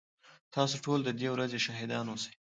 تاسو ټول ددې ورځي شاهدان اوسئ